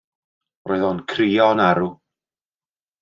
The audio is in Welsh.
Roedd o yn crio yn arw.